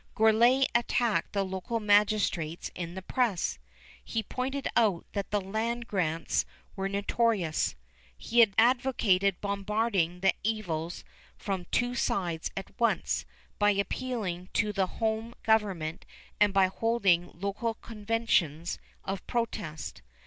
Gourlay attacked the local magistrates in the press. He pointed out that the land grants were notorious. He advocated bombarding the evils from two sides at once, by appealing to the home government and by holding local conventions of protest.